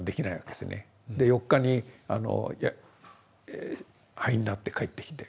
で４日に灰になって帰ってきて。